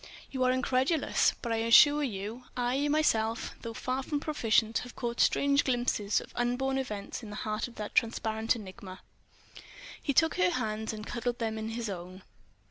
You are incredulous? But I assure you, I myself, though far from proficient, have caught strange glimpses of unborn events in the heart of that transparent enigma." He took her hands and cuddled them in his own.